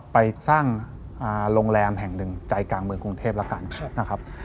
ไปสร้างโรงแรมแห่งหนึ่งใจกลางเมืองกรุงเทพแล้วกันนะครับ